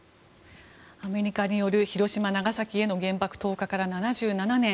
アメリカによる広島、長崎への原爆投下から７７年。